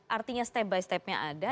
artinya step by stepnya ada